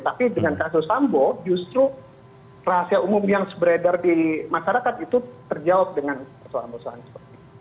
tapi dengan kasus sambo justru rahasia umum yang beredar di masyarakat itu terjawab dengan persoalan persoalan seperti itu